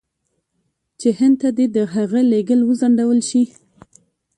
چې هند ته دې د هغه لېږل وځنډول شي.